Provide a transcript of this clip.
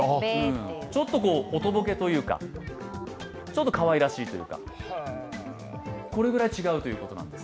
ちょっとおとぼけというか、ちょっとかわいらしいというかこれぐらい違うということなんです。